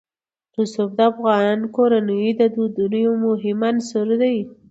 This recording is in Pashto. رسوب د افغان کورنیو د دودونو یو مهم عنصر دی.